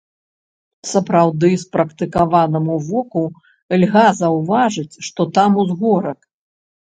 Сапраўды спрактыкаванаму воку льга заўважыць, што там узгорак.